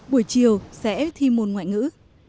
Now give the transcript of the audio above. buổi chiều sẽ thi môn ngoại ngữ